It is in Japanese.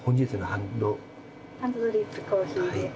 ハンドドリップコーヒーで。